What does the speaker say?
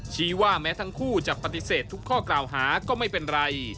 ชี้ว่าแม้ทั้งคู่จะปฏิเสธทุกข้อกล่าวหาก็ไม่เป็นไร